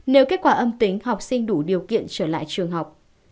nếu kết quả âm tính học sinh đủ điều kiện trở lại trường học